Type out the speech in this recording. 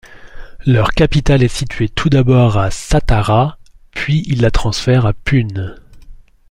Leur capitale est située tout d'abord à Sâtârâ, puis ils la transfèrent à Pune.